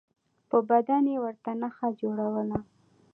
په بدن به یې ورته نښه جوړوله.